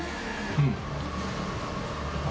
うん。